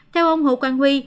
theo ông hồ quang duy